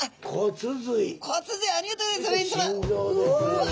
うわ！